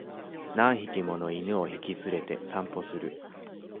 何匹もの犬を引き連れて散歩する